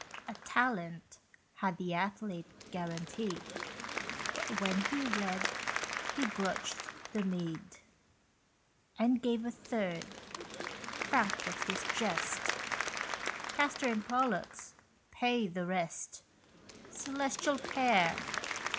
A Talent had the athlete guaranteed, But when he read he grudged the meed, And gave a third: frank was his jest, "Castor and Pollux pay the rest; Celestial pair!